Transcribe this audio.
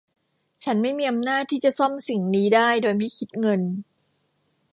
ฉันไม่มีอำนาจที่จะซ่อมสิ่งนี้ได้โดยไม่คิดเงิน